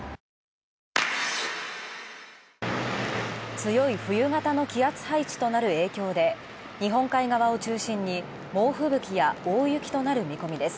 強い冬型の気圧配置となる影響で日本海側を中心に猛吹雪や大雪となる見込みです。